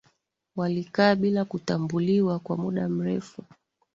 walikaa bila kutambuliwa kwa muda mrefu